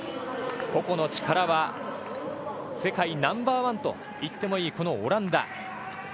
個々の力は世界ナンバーワンと言ってもいいこのオランダ。